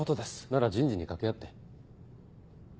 なら人事に掛け合って。